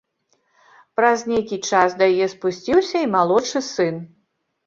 Праз нейкі час да яе спусціўся і малодшы сын.